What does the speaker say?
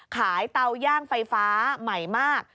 เตาย่างไฟฟ้าใหม่มาก